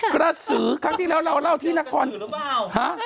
กระสือครั้งที่แล้วเราเล่าที่นักศึกหรือเปล่า